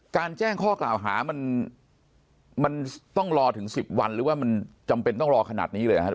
แจ้งข้อกล่าวหามันต้องรอถึง๑๐วันหรือว่ามันจำเป็นต้องรอขนาดนี้เลยนะครับ